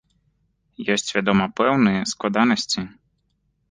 Ёсць вядома пэўныя складанасці.